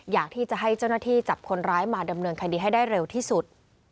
อยากให้เจ้าหน้าจับคนร้ายมาดำเนืองคดีไว้เร็วที่สุด